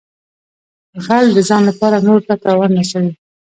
غل د ځان لپاره نورو ته تاوان رسوي